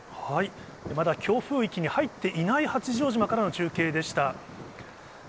まだ強風域に入っていない八丈島からの中継でした。